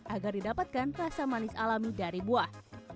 agar didapatkan rasa manis alami dari buah